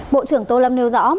bộ trưởng tô lâm nêu rõ